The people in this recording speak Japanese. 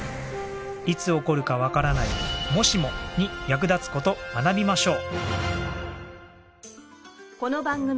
いつ起こるかわからない「もしも」に役立つ事学びましょう。